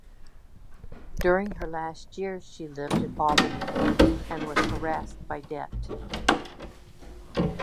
During her last years she lived at Aubigny, and was harassed by debt.